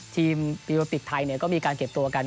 ทีมปีอลโอลิปปิกไทยเนี่ยก็มีการเก็บตัวกัน